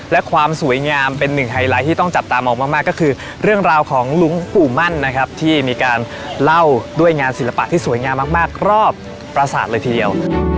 และความสวยงามเป็นหนึ่งไฮไลท์ที่ต้องจับตามองมากก็คือเรื่องราวของหลวงปู่มั่นนะครับที่มีการเล่าด้วยงานศิลปะที่สวยงามมากรอบประสาทเลยทีเดียว